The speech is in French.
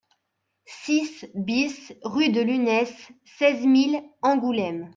six BIS rue de Lunesse, seize mille Angoulême